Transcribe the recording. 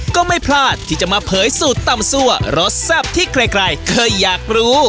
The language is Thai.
ก็ไม่พลาดที่จะมาเผยสูตรตำซั่วรสแซ่บที่ใครเคยอยากรู้